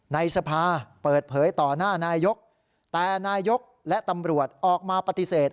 ในสภาเปิดเผยต่อหน้านายกแต่นายกและตำรวจออกมาปฏิเสธ